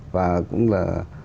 và cũng là